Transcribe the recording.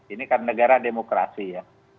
ini kan negara demokrasi ya